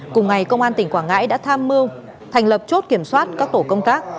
cùng ngày công an tỉnh quảng ngãi đã tham mưu thành lập chốt kiểm soát các tổ công tác